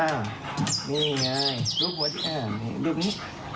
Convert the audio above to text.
อานี่อย่างนาลุกแต่ลุกนี้